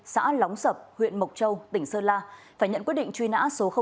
xã lóng sập huyện mộc châu tỉnh sơn la phải nhận quyết định truy nã số một